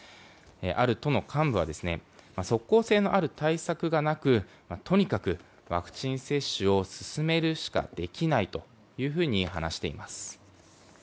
ある都の幹部は即効性のある対策がなくとにかくワクチン接種を進めるしかできないというふうに話しています。